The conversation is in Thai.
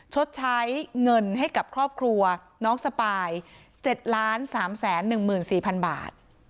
ชดใช้เงินให้กับครอบครัวน้องสปาย๗๓๑๔๐๐๐บาท